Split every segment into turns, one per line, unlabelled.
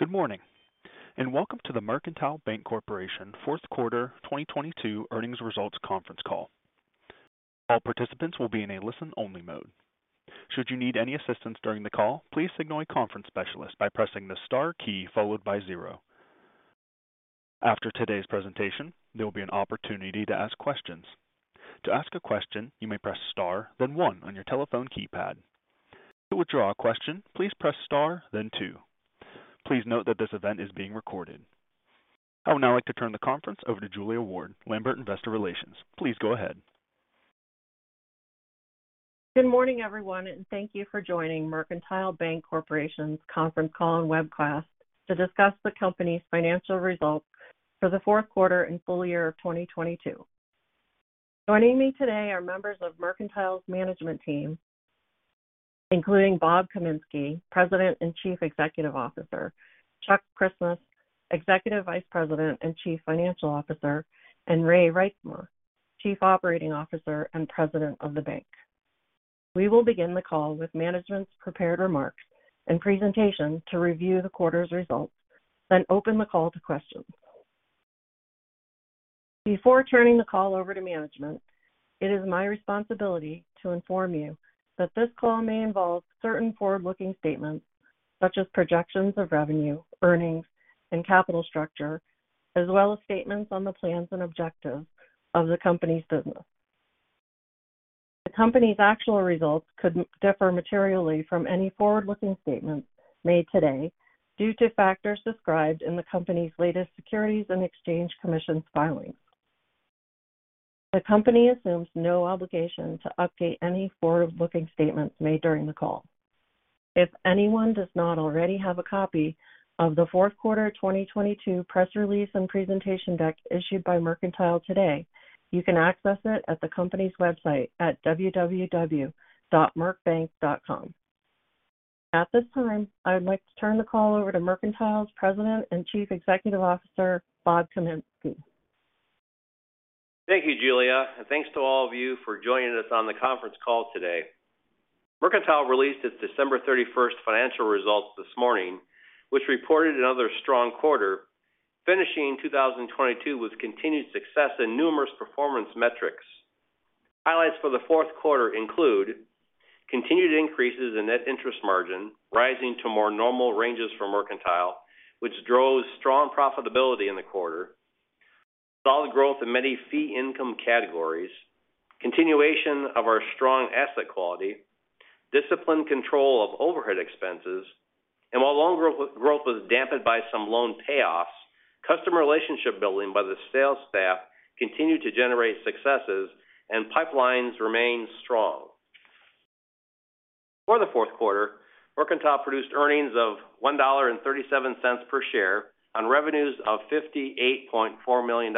Good morning. Welcome to the Mercantile Bank Corporation Q4 2022 earnings results conference call. All participants will be in a listen-only mode. Should you need any assistance during the call, please signal a conference specialist by pressing the star key followed by zero. After today's presentation, there will be an opportunity to ask questions. To ask a question, you may press star, then one on your telephone keypad. To withdraw a question, please press star, then two. Please note that this event is being recorded. I would now like to turn the conference over to Julia Ward, Lambert Investor Relations. Please go ahead.
Good morning, everyone, thank you for joining Mercantile Bank Corporation's conference call and webcast to discuss the company's financial results for the Q4 and full year of 2022. Joining me today are members of Mercantile's management team, including Rob Kaminski, President and Chief Executive Officer, Chuck Christmas, Executive Vice President and Chief Financial Officer, and Ray Reitsma, Chief Operating Officer and President of the bank. We will begin the call with management's prepared remarks and presentation to review the quarter's results, open the call to questions. Before turning the call over to management it is my responsibility to inform you that this call may involve certain forward-looking statements such as projections of revenue, earnings, and capital structure, as well as statements on the plans and objectives of the company's business. The company's actual results could differ materially from any forward-looking statements made today due to factors described in the company's latest Securities and Exchange Commission filings. The company assumes no obligation to update any forward-looking statements made during the call. If anyone does not already have a copy of the Q4 2022 press release and presentation deck issued by Mercantile today, you can access it at the company's website at www.mercbank.com. At this time, I would like to turn the call over to Mercantile's President and Chief Executive Officer, Rob Kaminski.
Thanks to all of you for joining us on the conference call today. Mercantile released its December 31st financial results this morning, which reported another strong quarter, finishing 2022 with continued success in numerous performance metrics. Highlights for the Q4 include continued increases in net interest margin, rising to more normal ranges for Mercantile, which drove strong profitability in the quarter. Solid growth in many fee income categories. Continuation of our strong asset quality. Disciplined control of overhead expenses. While loan growth was dampened by some loan payoffs, customer relationship building by the sales staff continued to generate successes and pipelines remained strong. For the Q4, Mercantile produced earnings of $1.37 per share on revenues of $58.4 million.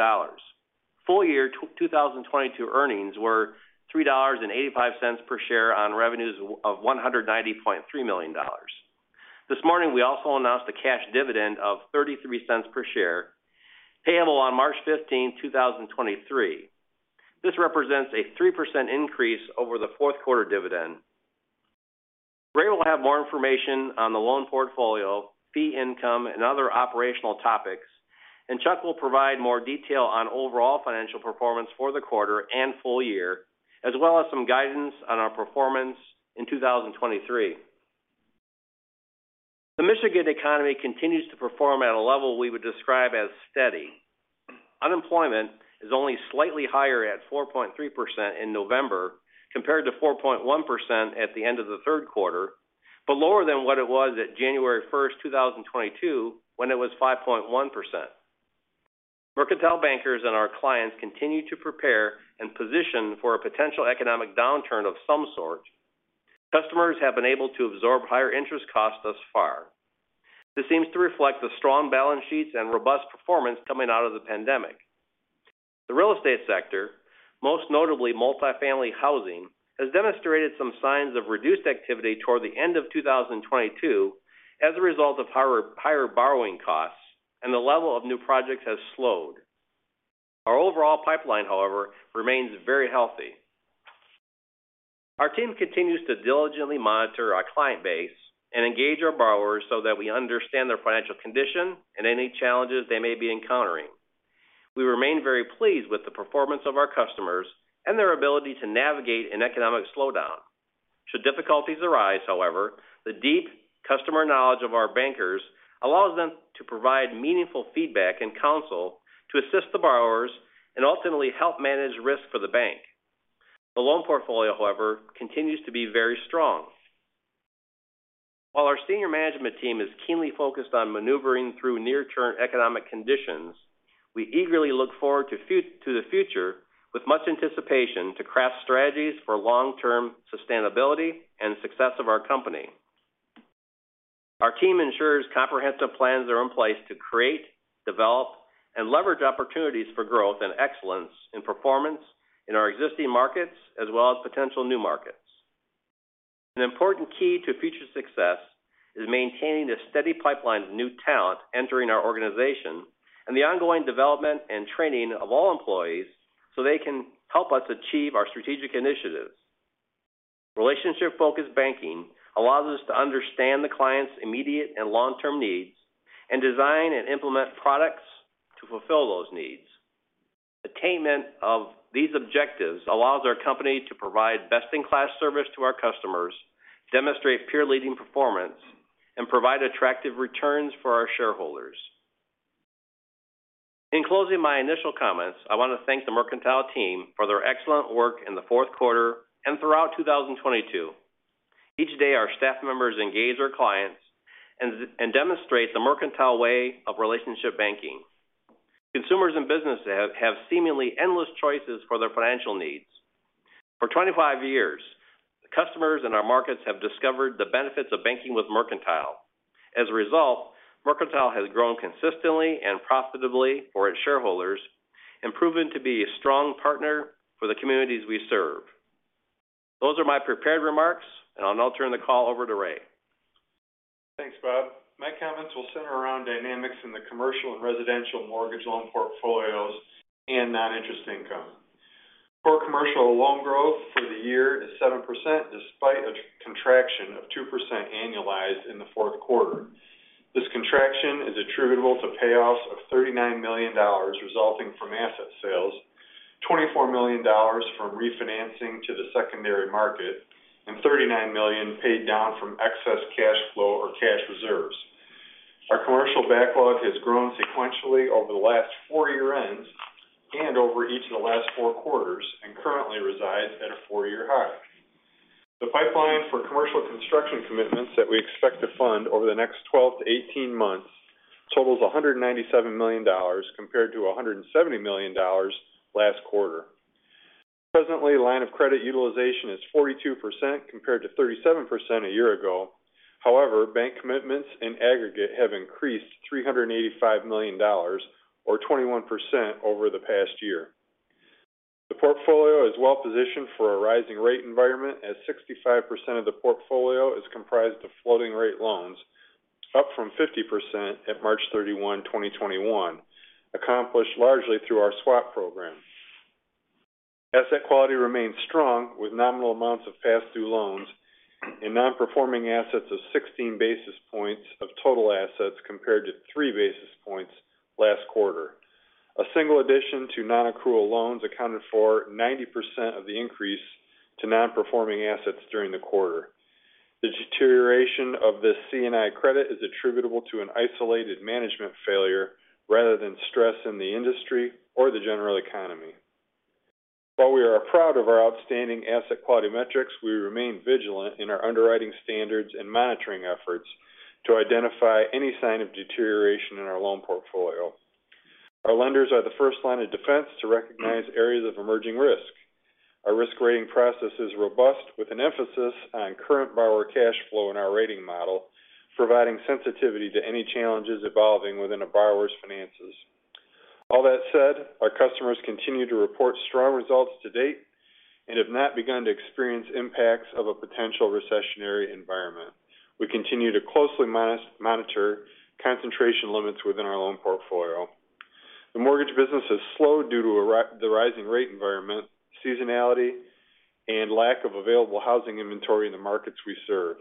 Full year 2022 earnings were $3.85 per share on revenues of $193 million. This morning, we also announced a cash dividend of $0.33 per share, payable on March 15th, 2023. This represents a 3% increase over the Q4 dividend. Ray will have more information on the loan portfolio, fee income and other operational topics. Chuck will provide more detail on overall financial performance for the quarter and full year, as well as some guidance on our performance in 2023. The Michigan economy continues to perform at a level we would describe as steady. Unemployment is only slightly higher at 4.3% in November compared to 4.1% at the end of the Q3, but lower than what it was at January 1, 2022 when it was 5.1%. Mercantile bankers and our clients continue to prepare and position for a potential economic downturn of some sort. Customers have been able to absorb higher interest costs thus far. This seems to reflect the strong balance sheets and robust performance coming out of the pandemic. The real estate sector, most notably multi-family housing, has demonstrated some signs of reduced activity toward the end of 2022 as a result of higher borrowing costs and the level of new projects has slowed. Our overall pipeline, however, remains very healthy. Our team continues to diligently monitor our client base and engage our borrowers so that we understand their financial condition and any challenges they may be encountering. We remain very pleased with the performance of our customers and their ability to navigate an economic slowdown. Should difficulties arise, however, the deep customer knowledge of our bankers allows them to provide meaningful feedback and counsel to assist the borrowers and ultimately help manage risk for the bank. The loan portfolio, however, continues to be very strong. While our senior management team is keenly focused on maneuvering through near-term economic conditions, we eagerly look forward to the future with much anticipation to craft strategies for long-term sustainability and success of our company. Our team ensures comprehensive plans are in place to create, develop, and leverage opportunities for growth and excellence in performance in our existing markets as well as potential new markets. An important key to future success is maintaining the steady pipeline of new talent entering our organization and the ongoing development and training of all employees so they can help us achieve our strategic initiatives. Relationship-focused banking allows us to understand the client's immediate and long-term needs and design and implement products to fulfill those needs. Attainment of these objectives allows our company to provide best-in-class service to our customers, demonstrate peer-leading performance, and provide attractive returns for our shareholders. In closing my initial comments, I want to thank the Mercantile team for their excellent work in the Q4 and throughout 2022. Each day, our staff members engage our clients and demonstrate the Mercantile way of relationship banking. Consumers and businesses have seemingly endless choices for their financial needs. For 25 years, the customers in our markets have discovered the benefits of banking with Mercantile. As a result, Mercantile has grown consistently and profitably for its shareholders and proven to be a strong partner for the communities we serve. Those are my prepared remarks, and I'll now turn the call over to Ray.
Thanks, Rob. My comments will center around dynamics in the commercial and residential mortgage loan portfolios and non-interest income. Core commercial loan growth for the year is 7%, despite a contraction of 2% annualized in the Q4. This contraction is attributable to payoffs of $39 million resulting from asset sales, $24 million from refinancing to the secondary market, and $39 million paid down from excess cash flow or cash reserves. Our commercial backlog has grown sequentially over the last four year-ends and over each of the last four quarters and currently resides at a four-year high. The pipeline for commercial construction commitments that we expect to fund over the next 12 to 18 months totals $197 million compared to $170 million last quarter. Presently, line of credit utilization is 42% compared to 37% a year ago. Bank commitments in aggregate have increased $385 million or 21% over the past year. The portfolio is well-positioned for a rising rate environment as 65% of the portfolio is comprised of floating-rate loans, up from 50% at March 31, 2021, accomplished largely through our swap program. Asset quality remains strong with nominal amounts of pass-through loans and non-performing assets of 16 basis points of total assets compared to 3 basis points last quarter. A single addition to non-accrual loans accounted for 90% of the increase to non-performing assets during the quarter. The deterioration of this C&I credit is attributable to an isolated management failure rather than stress in the industry or the general economy. While we are proud of our outstanding asset quality metrics, we remain vigilant in our underwriting standards and monitoring efforts to identify any sign of deterioration in our loan portfolio. Our lenders are the first line of defense to recognize areas of emerging risk. Our risk rating process is robust, with an emphasis on current borrower cash flow in our rating model, providing sensitivity to any challenges evolving within a borrower's finances. All that said, our customers continue to report strong results to date and have not begun to experience impacts of a potential recessionary environment. We continue to closely monitor concentration limits within our loan portfolio. The mortgage business has slowed due to the rising rate environment, seasonality, and lack of available housing inventory in the markets we serve.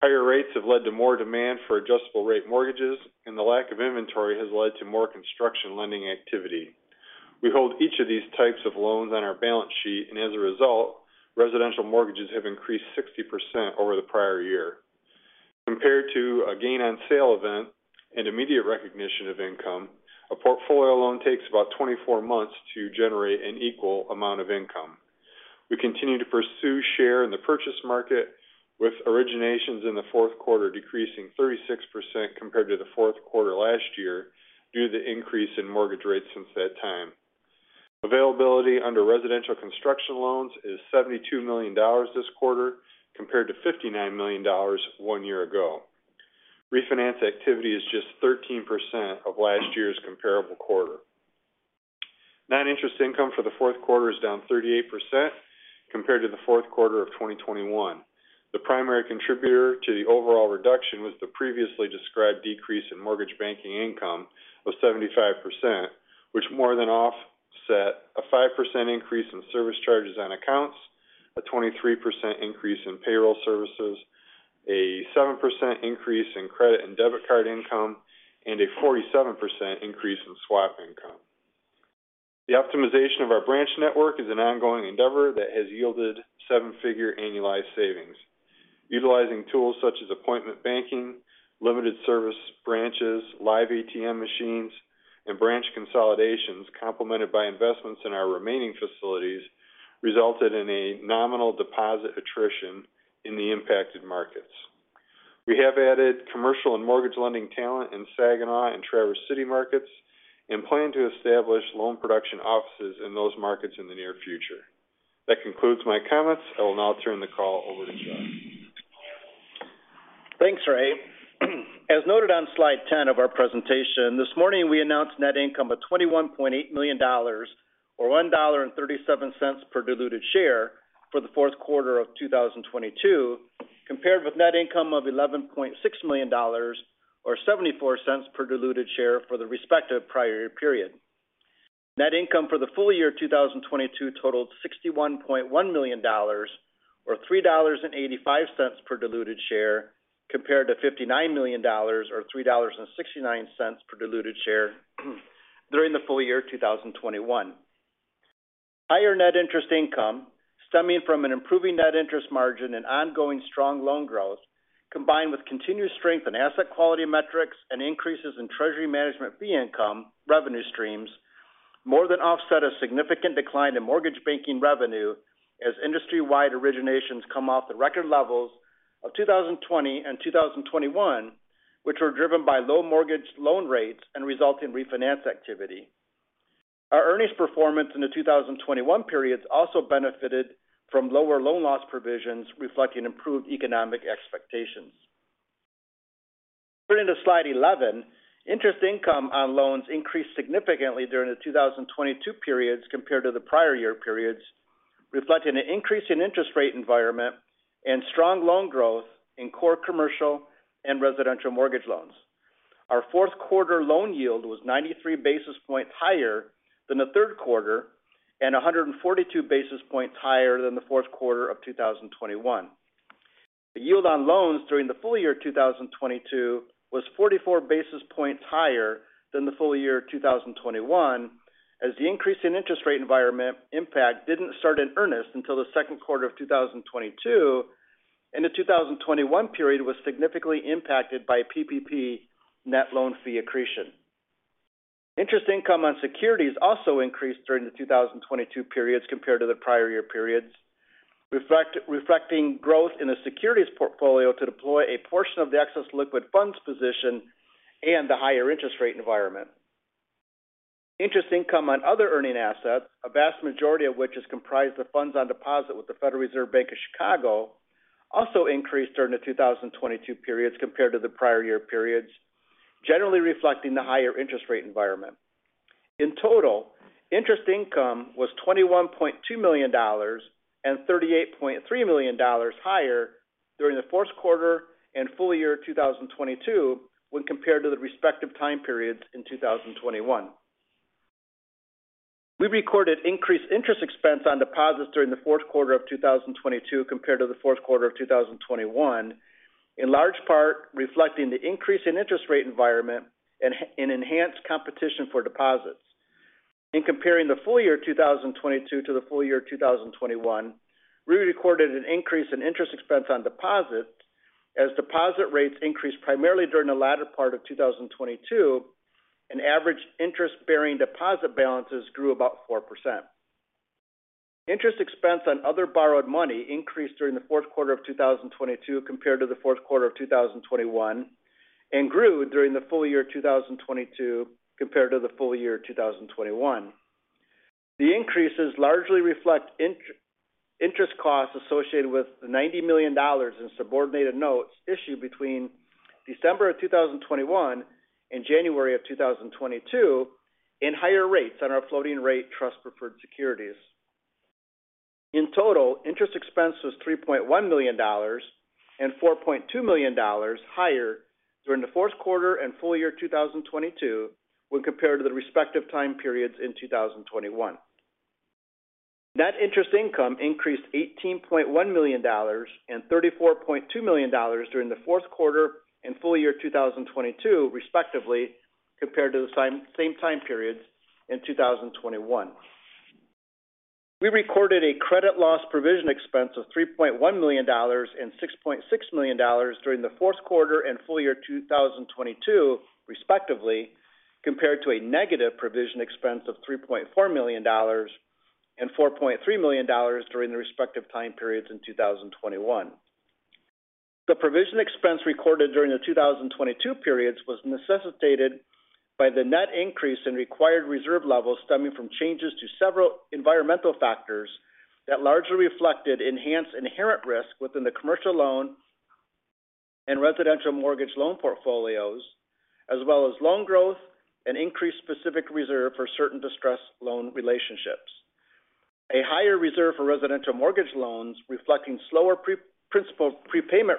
Higher rates have led to more demand for adjustable-rate mortgages. The lack of inventory has led to more construction lending activity. We hold each of these types of loans on our balance sheet, and as a result, residential mortgages have increased 60% over the prior year. Compared to a gain on sale event and immediate recognition of income, a portfolio loan takes about 24 months to generate an equal amount of income. We continue to pursue share in the purchase market, with originations in the Q4 decreasing 36% compared to the Q4 last year due to the increase in mortgage rates since that time. Availability under residential construction loans is $72 million this quarter compared to $59 million one year ago. Refinance activity is just 13% of last year's comparable quarter. Non-interest income for the Q4 is down 38% compared to the Q4 of 2021. The primary contributor to the overall reduction was the previously described decrease in mortgage banking income of 75%, which more than offset a 5% increase in service charges on accounts, a 23% increase in payroll services, a 7% increase in credit and debit card income, and a 47% increase in swap income. The optimization of our branch network is an ongoing endeavor that has yielded seven-figure annualized savings. Utilizing tools such as appointment banking, limited service branches, live ATM machines, and branch consolidations complemented by investments in our remaining facilities resulted in a nominal deposit attrition in the impacted markets. We have added commercial and mortgage lending talent in Saginaw and Traverse City markets and plan to establish loan production offices in those markets in the near future. That concludes my comments. I will now turn the call over to Chuck.
Thanks, Ray. As noted on slide 10 of our presentation, this morning, we announced net income of $21.8 million or $1.37 per diluted share for the Q4 of 2022, compared with net income of $11.6 million or $0.74 per diluted share for the respective prior year period. Net income for the full year 2022 totaled $61.1 million or $3.85 per diluted share, compared to $59 million or $3.69 per diluted share during the full year 2021. Higher net interest income stemming from an improving net interest margin and ongoing strong loan growth, combined with continued strength in asset quality metrics and increases in treasury management fee income revenue streams more than offset a significant decline in mortgage banking revenue as industry-wide originations come off the record levels of 2020 and 2021, which were driven by low mortgage loan rates and resulting refinance activity. Our earnings performance in the 2021 periods also benefited from lower loan loss provisions reflecting improved economic expectations. Turning to Slide 11. Interest income on loans increased significantly during the 2022 periods compared to the prior year periods, reflecting an increase in interest rate environment and strong loan growth in core commercial and residential mortgage loans. Our Q4 loan yield was 93 basis points higher than the Q3 and 142 basis points higher than the Q4 of 2021. The yield on loans during the full year 2022 was 44 basis points higher than the full year 2021, as the increase in interest rate environment impact didn't start in earnest until the Q2 of 2022, and the 2021 period was significantly impacted by PPP net loan fee accretion. Interest income on securities also increased during the 2022 periods compared to the prior year periods, reflecting growth in the securities portfolio to deploy a portion of the excess liquid funds position and the higher interest rate environment. Interest income on other earning assets, a vast majority of which is comprised of funds on deposit with the Federal Reserve Bank of Chicago, also increased during the 2022 periods compared to the prior year periods, generally reflecting the higher interest rate environment. In total, interest income was $21.2 million and $38.3 million higher during the Q4 and full year 2022 when compared to the respective time periods in 2021. We recorded increased interest expense on deposits during the Q4 of 2022 compared to the Q4 of 2021, in large part reflecting the increase in interest rate environment and enhanced competition for deposits. In comparing the full year 2022 to the full year 2021, we recorded an increase in interest expense on deposits as deposit rates increased primarily during the latter part of 2022, and average interest-bearing deposit balances grew about 4%. Interest expense on other borrowed money increased during the Q4 of 2022 compared to the Q4 of 2021, and grew during the full year 2022 compared to the full year 2021. The increases largely reflect interest costs associated with the $90 million in subordinated notes issued between December of 2021 and January of 2022, and higher rates on our floating rate trust preferred securities. In total, interest expense was $3.1 million and $4.2 million higher during the Q4 and full year 2022 when compared to the respective time periods in 2021. Net interest income increased $18.1 million and $34.2 million during the Q4 and full year 2022, respectively, compared to the same time periods in 2021. We recorded a credit loss provision expense of $3.1 million and $6.6 million during the Q4 and full year 2022, respectively, compared to a negative provision expense of $3.4 million and $4.3 million during the respective time periods in 2021. The provision expense recorded during the 2022 periods was necessitated by the net increase in required reserve levels stemming from changes to several environmental factors that largely reflected enhanced inherent risk within the commercial loan and residential mortgage loan portfolios, as well as loan growth and increased specific reserve for certain distressed loan relationships. A higher reserve for residential mortgage loans reflecting slower principal prepayment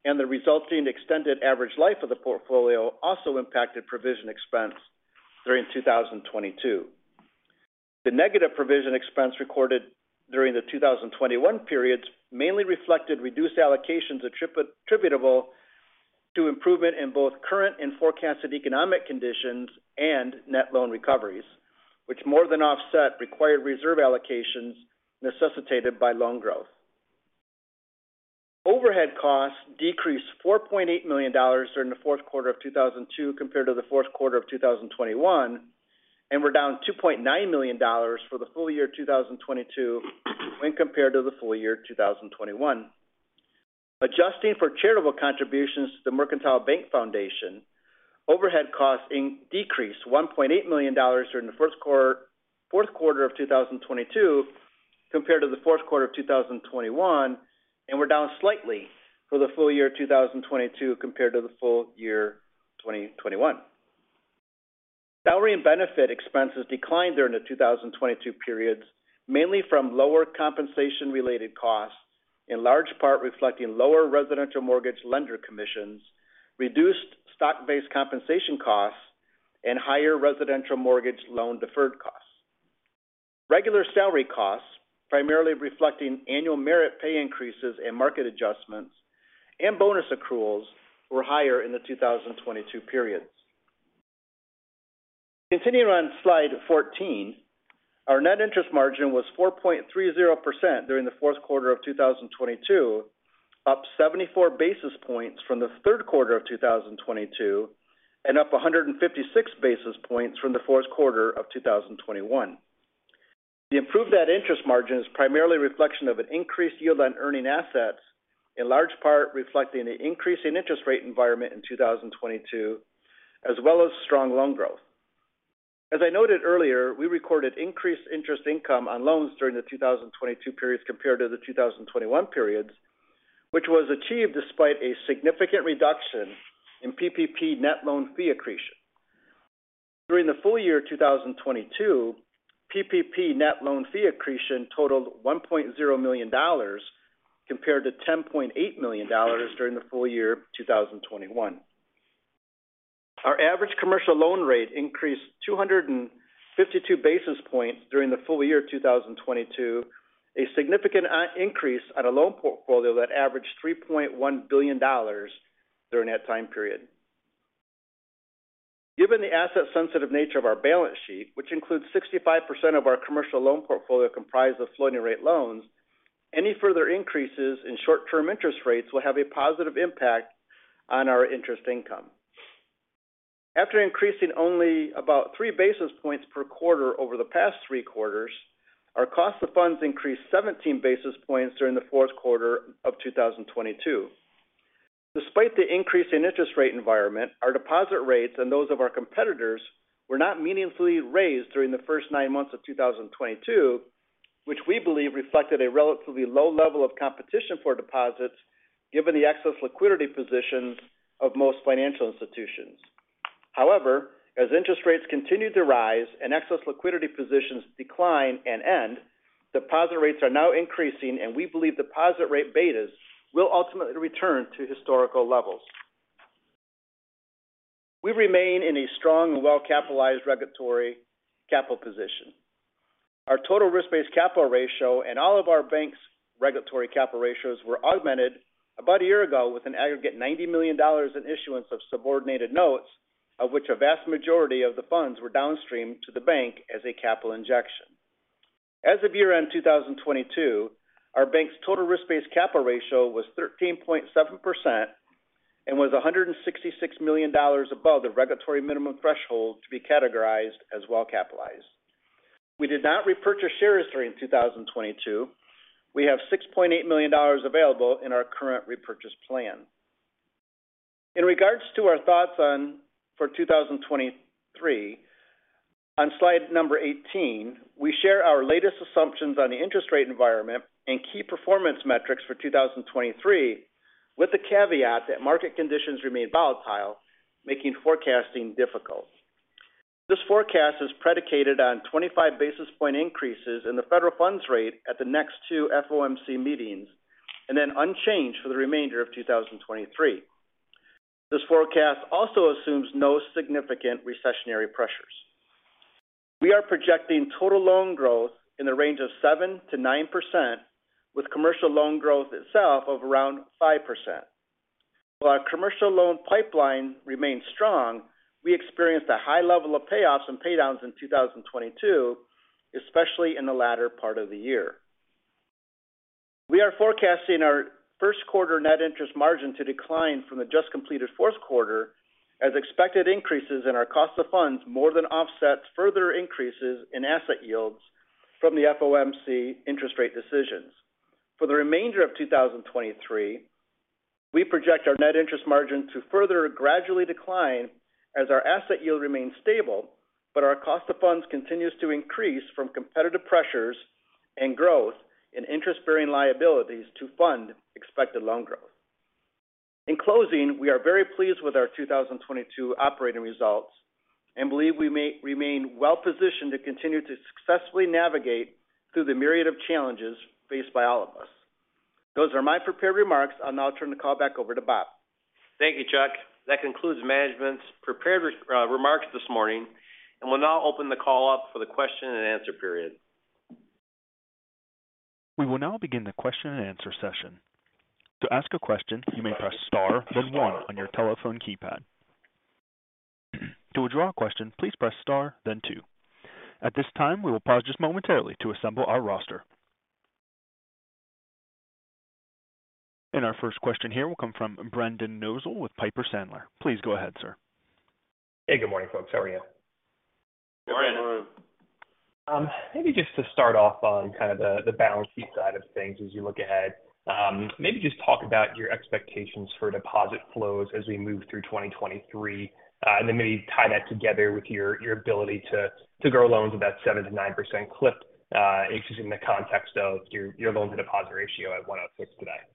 rates and the resulting extended average life of the portfolio also impacted provision expense during 2022. The negative provision expense recorded during the 2021 periods mainly reflected reduced allocations attributable to improvement in both current and forecasted economic conditions and net loan recoveries, which more than offset required reserve allocations necessitated by loan growth. Overhead costs decreased $4.8 million during the Q4 of 2002 compared to the Q4 of 2021, and were down $2.9 million for the full year 2022 when compared to the full year 2021. Adjusting for charitable contributions to the Mercantile Bank Foundation, overhead costs decreased $1.8 million during the Q4 of 2022 compared to the Q4 of 2021, and were down slightly for the full year 2022 compared to the full year 2021. Salary and benefit expenses declined during the 2022 periods, mainly from lower compensation related costs in large part reflecting lower residential mortgage lender commissions, reduced stock-based compensation costs, and higher residential mortgage loan deferred costs. Regular salary costs, primarily reflecting annual merit pay increases and market adjustments and bonus accruals were higher in the 2022 periods. Continuing on slide 14, our net interest margin was 4.30% during the Q4 of 2022, up 74 basis points from the Q3 of 2022 and up 156 basis points from the Q4 of 2021. The improved net interest margin is primarily a reflection of an increased yield on earning assets, in large part reflecting an increase in interest rate environment in 2022, as well as strong loan growth. As I noted earlier, we recorded increased interest income on loans during the 2022 periods compared to the 2021 periods, which was achieved despite a significant reduction in PPP net loan fee accretion. During the full year 2022, PPP net loan fee accretion totaled $1.0 million compared to $10.8 million during the full year 2021. Our average commercial loan rate increased 252 basis points during the full year 2022, a significant increase on a loan portfolio that averaged $3.1 billion during that time period. Given the asset sensitive nature of our balance sheet, which includes 65% of our commercial loan portfolio comprised of floating rate loans, any further increases in short-term interest rates will have a positive impact on our interest income. After increasing only about three basis points per quarter over the past three quarters, our cost of funds increased 17 basis points during the Q4 of 2022. Despite the increase in interest rate environment, our deposit rates and those of our competitors were not meaningfully raised during the first nine months of 2022, which we believe reflected a relatively low level of competition for deposits given the excess liquidity positions of most financial institutions. As interest rates continued to rise and excess liquidity positions decline and end, deposit rates are now increasing, and we believe deposit rate betas will ultimately return to historical levels. We remain in a strong and well-capitalized regulatory capital position. Our total risk-based capital ratio and all of our bank's regulatory capital ratios were augmented about a year ago with an aggregate $90 million in issuance of subordinated notes, of which a vast majority of the funds were downstreamed to the bank as a capital injection. As of year-end 2022, our bank's total risk-based capital ratio was 13.7% and was $166 million above the regulatory minimum threshold to be categorized as well-capitalized. We did not repurchase shares during 2022. We have $6.8 million available in our current repurchase plan. In regards to our thoughts for 2023, on slide number 18, we share our latest assumptions on the interest rate environment and key performance metrics for 2023, with the caveat that market conditions remain volatile, making forecasting difficult. This forecast is predicated on 25 basis point increases in the federal funds rate at the next two FOMC meetings and unchanged for the remainder of 2023. This forecast also assumes no significant recessionary pressures. We are projecting total loan growth in the range of 7%-9%, with commercial loan growth itself of around 5%. While our commercial loan pipeline remains strong, we experienced a high level of payoffs and pay downs in 2022, especially in the latter part of the year. We are forecasting our Q1 net interest margin to decline from the just completed Q4 as expected increases in our cost of funds more than offsets further increases in asset yields from the FOMC interest rate decisions. For the remainder of 2023, we project our net interest margin to further gradually decline as our asset yield remains stable, but our cost of funds continues to increase from competitive pressures and growth in interest-bearing liabilities to fund expected loan growth. In closing, we are very pleased with our 2022 operating results and believe we may remain well positioned to continue to successfully navigate through the myriad of challenges faced by all of us. Those are my prepared remarks. I'll now turn the call back over to Rob.
Thank you, Chuck. That concludes management's prepared remarks this morning. We'll now open the call up for the question and answer period.
We will now begin the question and answer session. To ask a question, you may press star then one on your telephone keypad. To withdraw a question, please press star then two. At this time, we will pause just momentarily to assemble our roster. Our first question here will come from Brendan Nosal with Piper Sandler. Please go ahead, sir.
Hey, good morning, folks. How are you?
Good morning.
Good morning.
Maybe just to start off on kind of the balance sheet side of things as you look ahead. Maybe just talk about your expectations for deposit flows as we move through 2023, and then maybe tie that together with your ability to grow loans about 7%-9% clip, just in the context of your loan to deposit ratio at 106 today.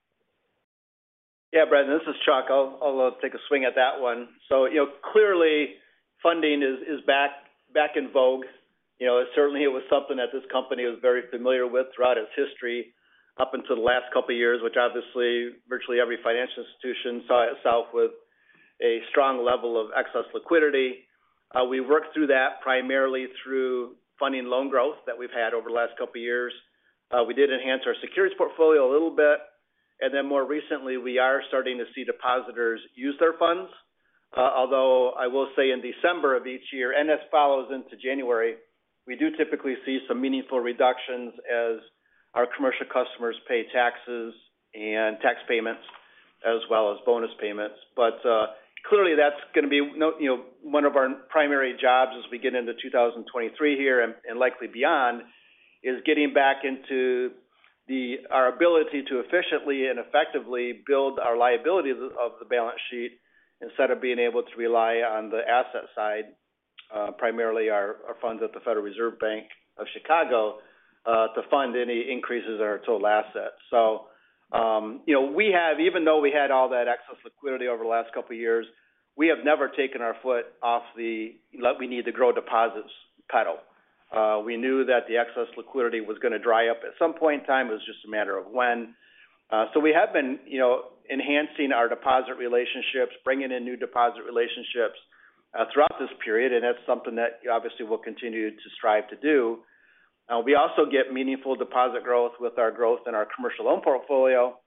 Yeah, Brandon, this is Chuck. I'll take a swing at that one. You know, clearly funding is back in vogue. You know, it certainly it was something that this company was very familiar with throughout its history up until the last couple of years, which obviously virtually every financial institution saw itself with a strong level of excess liquidity. We worked through that primarily through funding loan growth that we've had over the last couple of years. We did enhance our securities portfolio a little bit, and then more recently, we are starting to see depositors use their funds. Although I will say in December of each year and as follows into January, we do typically see some meaningful reductions as our commercial customers pay taxes and tax payments as well as bonus payments. Clearly that's gonna be you know, one of our primary jobs as we get into 2023 here and likely beyond, is getting back into our ability to efficiently and effectively build our liabilities of the balance sheet instead of being able to rely on the asset side, primarily our funds at the Federal Reserve Bank of Chicago, to fund any increases in our total assets. You know, even though we had all that excess liquidity over the last couple of years, we have never taken our foot off the we need to grow deposits pedal. We knew that the excess liquidity was gonna dry up at some point in time. It was just a matter of when. We have been, you know, enhancing our deposit relationships, bringing in new deposit relationships throughout this period, that's something that obviously we'll continue to strive to do. We also get meaningful deposit growth with our growth in our commercial loan portfolio,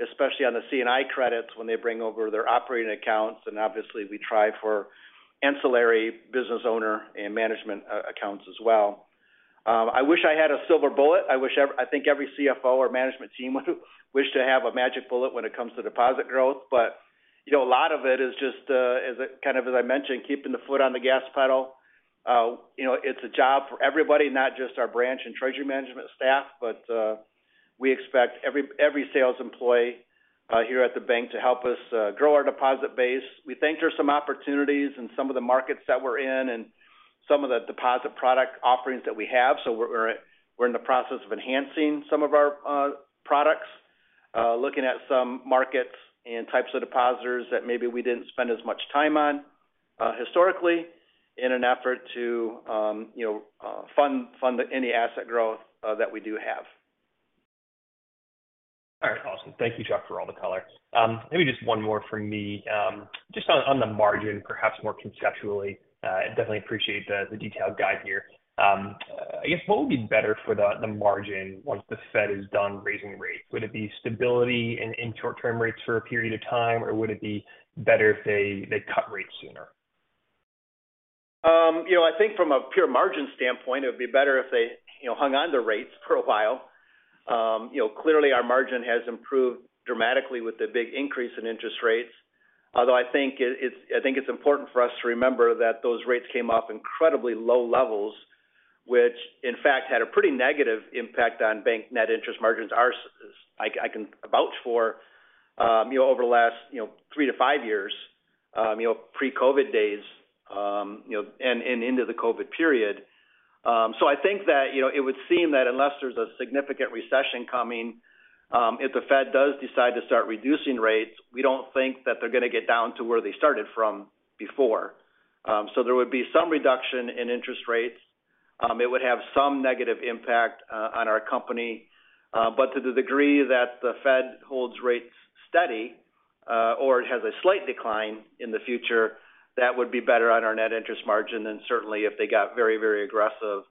especially on the C&I credits when they bring over their operating accounts. Obviously we try for ancillary business owner and management accounts as well. I wish I had a silver bullet. I think every CFO or management team would wish to have a magic bullet when it comes to deposit growth. You know, a lot of it is just kind of, as I mentioned, keeping the foot on the gas pedal. You know, it's a job for everybody, not just our branch and treasury management staff, but we expect every sales employee here at the bank to help us grow our deposit base. We think there's some opportunities in some of the markets that we're in and some of the deposit product offerings that we have. We're in the process of enhancing some of our products, looking at some markets and types of depositors that maybe we didn't spend as much time on historically in an effort to, you know, fund any asset growth that we do have.
All right. Awesome. Thank you, Chuck, for all the color. Maybe just one more from me. Just on the margin, perhaps more conceptually. Definitely appreciate the detailed guide here. I guess what would be better for the margin once the Fed is done raising rates? Would it be stability in short-term rates for a period of time, or would it be better if they cut rates sooner?
You know, I think from a pure margin standpoint, it would be better if they, you know, hung on to rates for a while. You know, clearly our margin has improved dramatically with the big increase in interest rates. I think it's important for us to remember that those rates came off incredibly low levels, which in fact had a pretty negative impact on bank net interest margins. Ours is, I can vouch for, you know, over the last, you know, three to five years, you know, pre-COVID days, you know, and into the COVID period. I think that, you know, it would seem that unless there's a significant recession coming, if the Fed does decide to start reducing rates, we don't think that they're going to get down to where they started from before. There would be some reduction in interest rates. It would have some negative impact on our company. To the degree that the Fed holds rates steady, or it has a slight decline in the future, that would be better on our net interest margin than certainly if they got very, very aggressive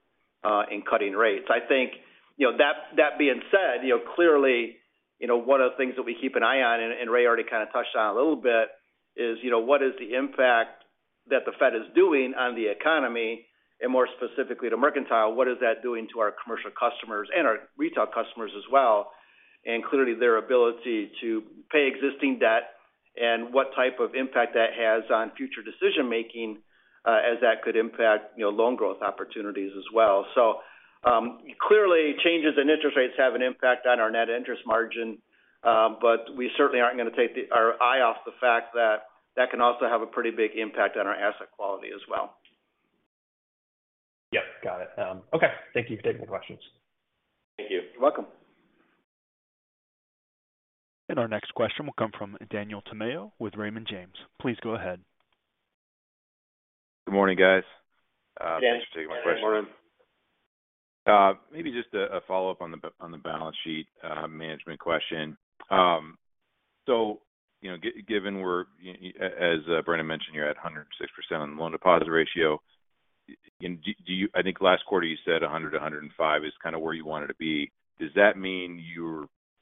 in cutting rates. I think, you know, that being said, you know, clearly, you know, one of the things that we keep an eye on, and Ray already kind of touched on a little bit is, you know, what is the impact that the Fed is doing on the economy and more specifically to Mercantile, what is that doing to our commercial customers and our retail customers as well, and clearly their ability to pay existing debt and what type of impact that has on future decision-making, as that could impact, you know, loan growth opportunities as well. Clearly, changes in interest rates have an impact on our net interest margin, but we certainly aren't going to take our eye off the fact that that can also have a pretty big impact on our asset quality as well.
Yep. Got it. Okay. Thank you for taking the questions.
Thank you. You're welcome.
Our next question will come from Daniel Tamayo with Raymond James. Please go ahead.
Good morning, guys.
Dan.
Thanks for taking my question.
Good morning.
Maybe just a follow-up on the balance sheet management question. You know, as Brandon mentioned, you're at 106% on the loan deposit ratio. Do you, I think last quarter you said 100%-105% is kind of where you wanted to be. Does that mean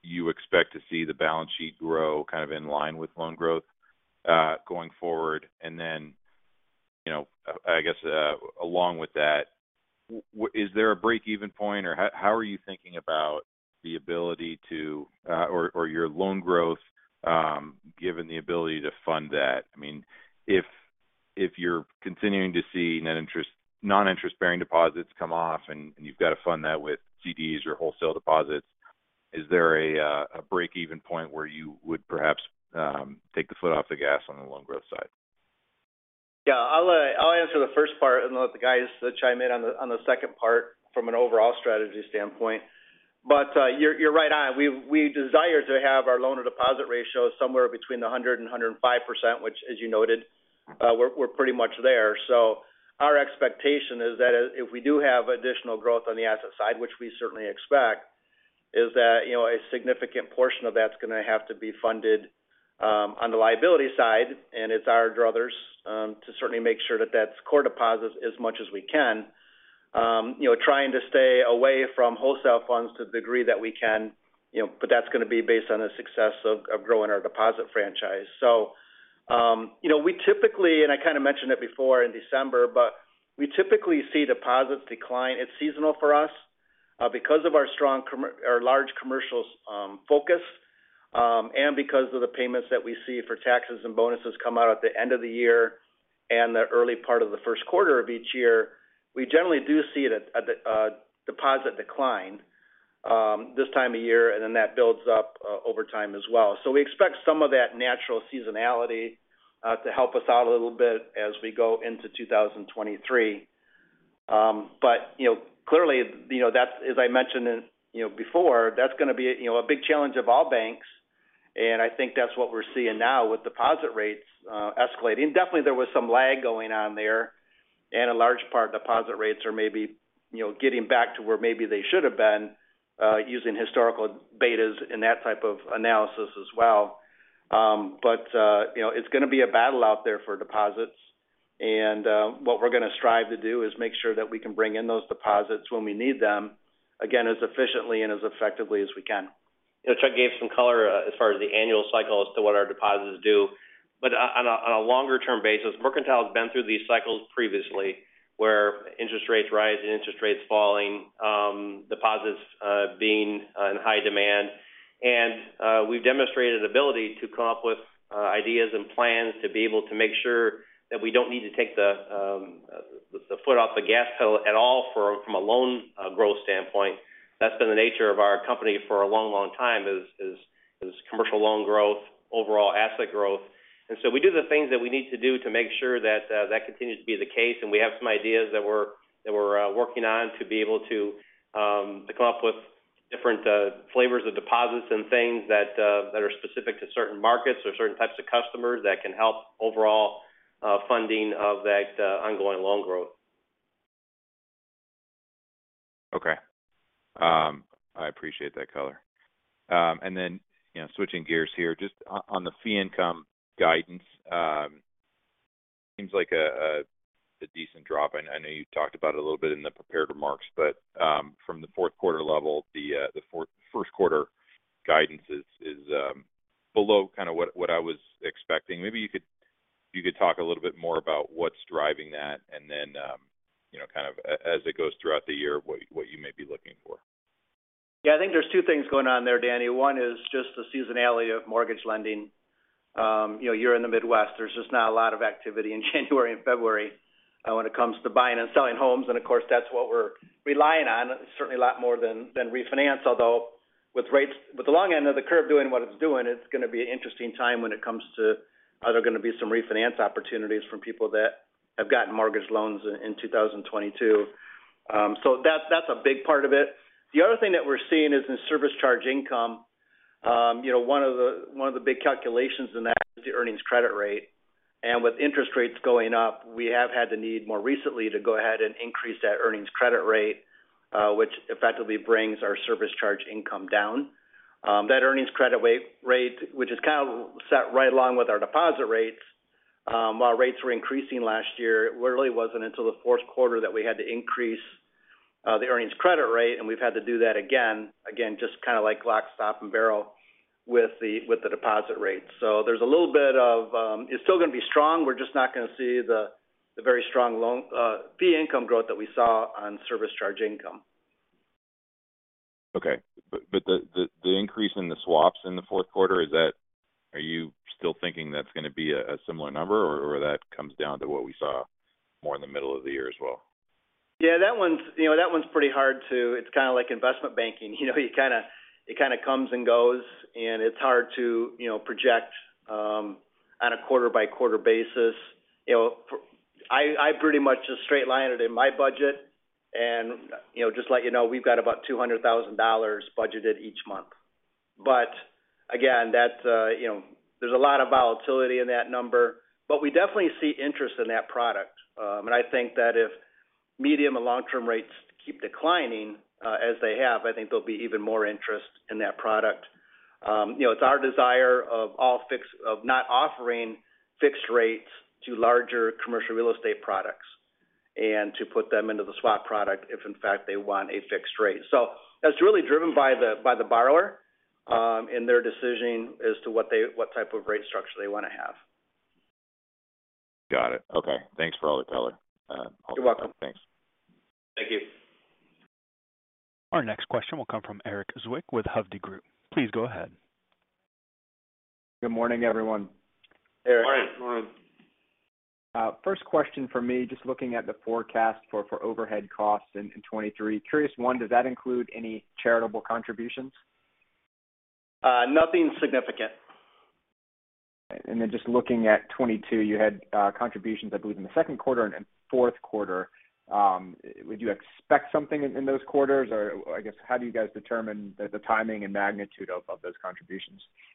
you expect to see the balance sheet grow kind of in line with loan growth going forward? You know, I guess, along with that, what is there a break-even point? How are you thinking about the ability to or your loan growth given the ability to fund that? I mean, if you're continuing to see non-interest-bearing deposits come off, and you've got to fund that with CDs or wholesale deposits, is there a break-even point where you would perhaps take the foot off the gas on the loan growth side?
Yeah, I'll answer the first part and let the guys chime in on the second part from an overall strategy standpoint. You're right on. We desire to have our loan-to-deposit ratio somewhere between the 100%-105%, which as you noted, we're pretty much there. Our expectation is that if we do have additional growth on the asset side, which we certainly expect, is that, you know, a significant portion of that's gonna have to be funded on the liability side. It's ours or others', to certainly make sure that that's core deposits as much as we can. You know, trying to stay away from wholesale funds to the degree that we can, you know. That's gonna be based on the success of growing our deposit franchise. you know, we typically, and I kind of mentioned it before in December, but we typically see deposits decline. It's seasonal for us, because of our strong or large commercial focus, and because of the payments that we see for taxes and bonuses come out at the end of the year and the early part of the Q1 of each year. We generally do see a deposit decline, this time of year, and then that builds up, over time as well. We expect some of that natural seasonality, to help us out a little bit as we go into 2023. You know, clearly, you know, that's, as I mentioned in, you know, before, that's gonna be a, you know, a big challenge of all banks, and I think that's what we're seeing now with deposit rates, escalating. Definitely, there was some lag going on there. In a large part, deposit rates are maybe, you know, getting back to where maybe they should have been, using historical betas and that type of analysis as well. You know, it's gonna be a battle out there for deposits. What we're gonna strive to do is make sure that we can bring in those deposits when we need them, again, as efficiently and as effectively as we can.
You know, Chuck gave some color, as far as the annual cycle as to what our deposits do. On a longer-term basis, Mercantile has been through these cycles previously, where interest rates rising, interest rates falling, deposits being in high demand. We've demonstrated ability to come up with ideas and plans to be able to make sure that we don't need to take the foot off the gas pedal at all from a loan growth standpoint. That's been the nature of our company for a long, long time, is commercial loan growth, overall asset growth. We do the things that we need to do to make sure that that continues to be the case, and we have some ideas that we're working on to be able to come up with different flavors of deposits and things that are specific to certain markets or certain types of customers that can help overall funding of that ongoing loan growth.
Okay. I appreciate that color. You know, switching gears here, just on the fee income guidance, seems like a decent drop. I know you talked about it a little bit in the prepared remarks, but, from the Q4 level, the Q1 guidance is below kind of what I was expecting. Maybe you could talk a little bit more about what's driving that and then, you know, kind of as it goes throughout the year, what you may be looking for.
Yeah. I think there's two things going on there, Daniel. You know, you're in the Midwest. There's just not a lot of activity in January and February when it comes to buying and selling homes. Of course, that's what we're relying on certainly a lot more than refinance, although with the long end of the curve doing what it's doing, it's gonna be an interesting time when it comes to, are there gonna be some refinance opportunities from people that have gotten mortgage loans in 2022? That's, that's a big part of it. The other thing that we're seeing is in service charge income. You know, one of the, one of the big calculations in that is the earnings credit rate. With interest rates going up, we have had the need more recently to go ahead and increase that earnings credit rate, which effectively brings our service charge income down. That earnings credit rate, which is kind of set right along with our deposit rates, while rates were increasing last year, it really wasn't until the Q4 that we had to increase the earnings credit rate, and we've had to do that again. Just kind of like lock, stock, and barrel with the deposit rate. There's a little bit of. It's still gonna be strong. We're just not gonna see the very strong loan fee income growth that we saw on service charge income.
Okay. The increase in the swaps in the Q4, are you still thinking that's gonna be a similar number, or that comes down to what we saw more in the middle of the year as well?
Yeah, that one's, you know, that one's pretty hard. It's kind of like investment banking. You know it kind of comes and goes, and it's hard to, you know, project on a quarter-by-quarter basis. You know, I pretty much just straight-line it in my budget. You know, just to let you know, we've got about $200,000 budgeted each month. Again, that's, you know, there's a lot of volatility in that number. We definitely see interest in that product. I think that if medium and long-term rates keep declining as they have, I think there'll be even more interest in that product. You know, it's our desire of all not offering fixed rates to larger commercial real estate products and to put them into the swap product if in fact they want a fixed rate. That's really driven by the, by the borrower, in their decision as to what type of rate structure they wanna have.
Got it. Okay. Thanks for all the color.
You're welcome.
Thanks.
Thank you.
Our next question will come from Erik Zwick with Hovde Group. Please go ahead.
Good morning, everyone.
Erik.
Morning.
Morning.
First question from me, just looking at the forecast for overhead costs in 2023. Curious, one, does that include any charitable contributions?
Nothing significant.
Just looking at 2022, you had contributions, I believe in the 2Q and in 4Q. Would you expect something in those quarters, or I guess, how do you guys determine the timing and magnitude of those contributions?
Yeah.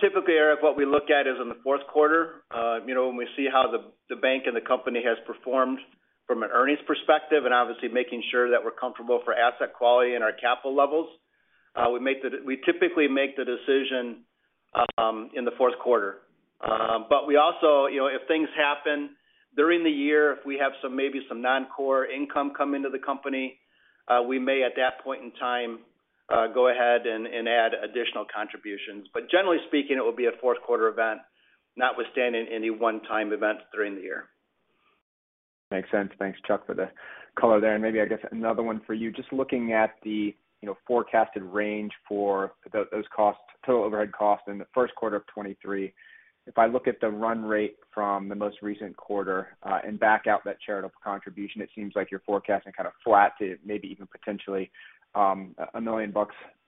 Typically, Erik, what we look at is in the Q4, you know, when we see how the bank and the company has performed from an earnings perspective and obviously making sure that we're comfortable for asset quality and our capital levels, we typically make the decision, in the Q4. We also, you know, if things happen during the year, if we have maybe some non-core income come into the company, we may at that point in time, go ahead and add additional contributions. Generally speaking, it will be a Q4 event, notwithstanding any one-time events during the year.
Makes sense. Thanks, Chuck, for the color there. Maybe, I guess, another one for you. Just looking at the, you know, forecasted range for those costs, total overhead costs in the Q1 of 2023. If I look at the run rate from the most recent quarter, and back out that charitable contribution, it seems like you're forecasting kind of flat to maybe even potentially, $1 million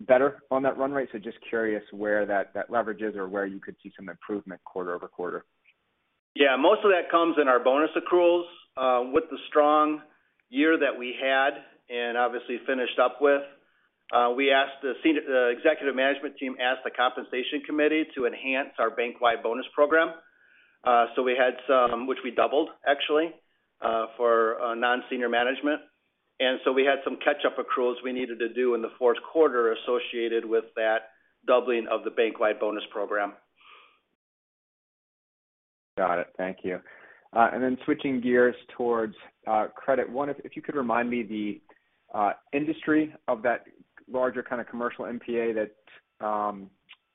better on that run rate. Just curious where that leverage is or where you could see some improvement quarter-over-quarter.
Yeah. Most of that comes in our bonus accruals. With the strong year that we had and obviously finished up with, we asked the executive management team asked the compensation committee to enhance our bank-wide bonus program. We had some, which we doubled actually, for non-senior management. We had some catch-up accruals we needed to do in the Q4 associated with that doubling of the bank-wide bonus program.
Got it. Thank you. Then switching gears towards credit. One, if you could remind me the industry of that larger kind of commercial NPA that,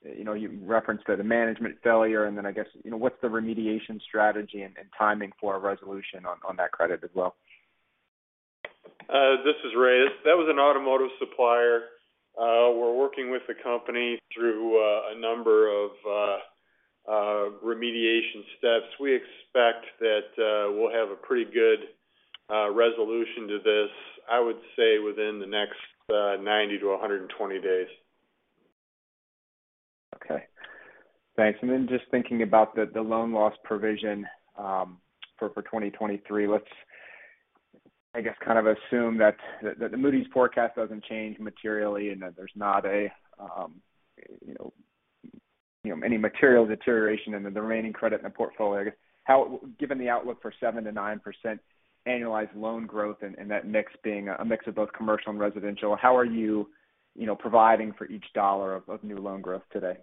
you know, you referenced the management failure and then I guess, you know, what's the remediation strategy and timing for a resolution on that credit as well?
This is Ray. That was an automotive supplier. We're working with the company through a number of remediation steps. We expect that we'll have a pretty good resolution to this, I would say within the next 90-120 days.
Okay. Thanks. Just thinking about the loan loss provision, for 2023. Let's I guess kind of assume that the Moody's forecast doesn't change materially and that there's not a, you know, any material deterioration in the remaining credit in the portfolio. I guess how given the outlook for 7%-9% annualized loan growth, that mix being a mix of both commercial and residential, how are you know, providing for each dollar of new loan growth today?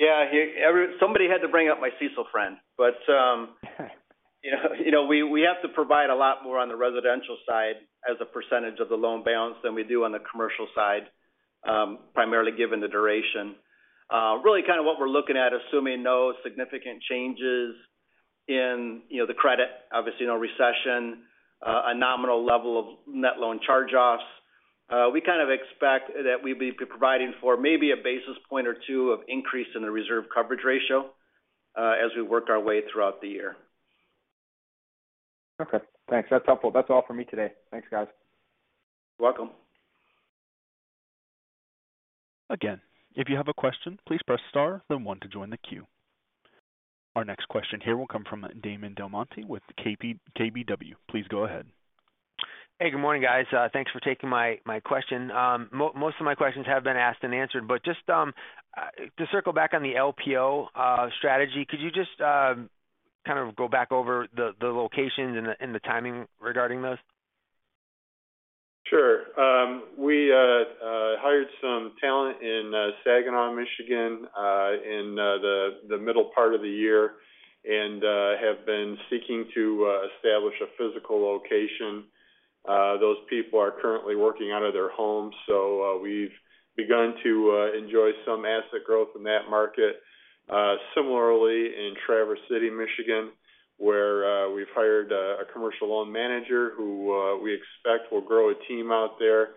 Yeah. Somebody had to bring up my CECL friend. You know, you know, we have to provide a lot more on the residential side as a percentage of the loan balance than we do on the commercial side, primarily given the duration. Really kind of what we're looking at, assuming no significant changes in, you know, the credit, obviously no recession, a nominal level of net loan charge-offs. We kind of expect that we'd be providing for maybe a basis point or 2 of increase in the reserve coverage ratio, as we work our way throughout the year.
Okay. Thanks. That's helpful. That's all for me today. Thanks, guys.
You're welcome.
Again, if you have a question, please press star then one to join the queue. Our next question here will come from Damon DelMonte with KBW. Please go ahead.
Hey, good morning, guys. Thanks for taking my question. Most of my questions have been asked and answered, but just to circle back on the LPO strategy, could you just kind of go back over the locations and the timing regarding this?
Sure. We hired some talent in Saginaw, Michigan, in the middle part of the year and have been seeking to establish a physical location. Those people are currently working out of their homes, so we've begun to enjoy some asset growth in that market. Similarly in Traverse City, Michigan, where we've hired a commercial loan manager who we expect will grow a team out there.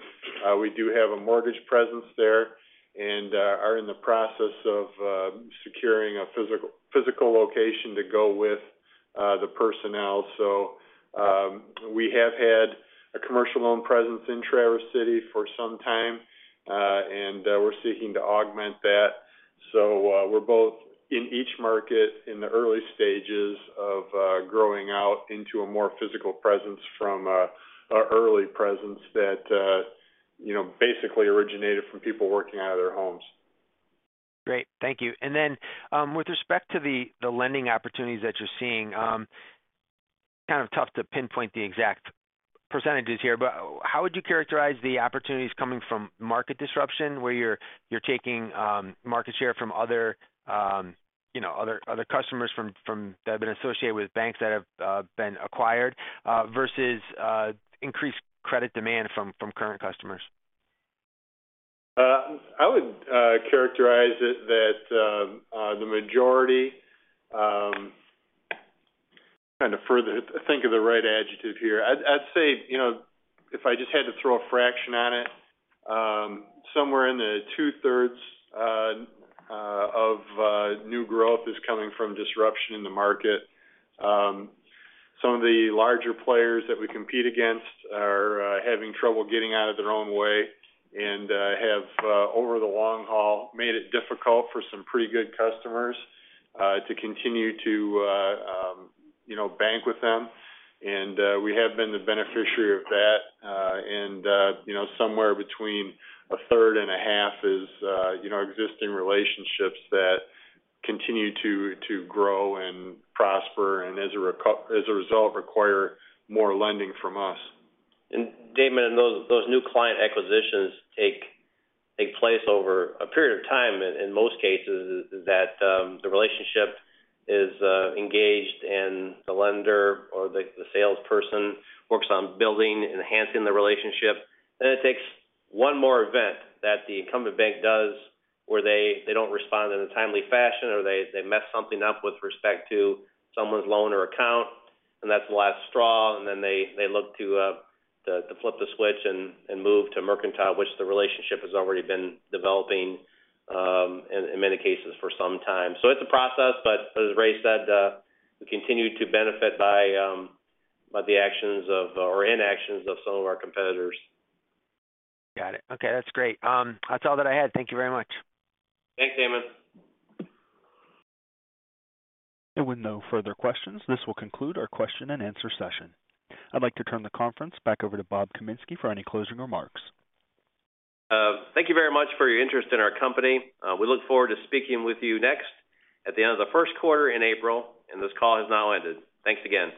We do have a mortgage presence there and are in the process of securing a physical location to go with the personnel. We have had a commercial loan presence in Traverse City for some time, and we're seeking to augment that. We're both in each market in the early stages of growing out into a more physical presence from our early presence that, you know, basically originated from people working out of their homes.
Great. Thank you. With respect to the lending opportunities that you're seeing, kind of tough to pinpoint the exact percentages here, but how would you characterize the opportunities coming from market disruption where you're taking market share from other, you know, other customers from that have been associated with banks that have been acquired, versus increased credit demand from current customers?
I would characterize it that the majority, trying to further think of the right adjective here. I'd say, you know, if I just had to throw a fraction on it, somewhere in the two-thirds of new growth is coming from disruption in the market. Some of the larger players that we compete against are having trouble getting out of their own way and have over the long haul, made it difficult for some pretty good customers to continue to, you know, bank with them. We have been the beneficiary of that. You know, somewhere between a third and a half is, you know, existing relationships that continue to grow and prosper and as a result, require more lending from us.
Damon, those new client acquisitions take place over a period of time in most cases that the relationship is engaged and the lender or the salesperson works on building, enhancing the relationship. It takes one more event that the incumbent bank does where they don't respond in a timely fashion or they mess something up with respect to someone's loan or account, and that's the last straw. Then they look to flip the switch and move to Mercantile, which the relationship has already been developing in many cases for some time. It's a process, but as Ray said, we continue to benefit by the actions of or inactions of some of our competitors.
Got it. Okay, that's great. That's all that I had. Thank you very much.
Thanks, Damon.
With no further questions, this will conclude our question and answer session. I'd like to turn the conference back over to Rob Kaminski for any closing remarks.
Thank you very much for your interest in our company. We look forward to speaking with you next at the end of the Q1 in April, this call has now ended. Thanks again.